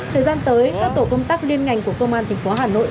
thời gian tới các tổ công tác liên ngành của công an tp hà nội